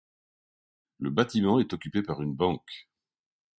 Le bâtiment est occupé par une banque.